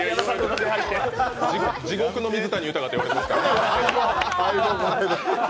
地獄の水谷豊って言われていますから。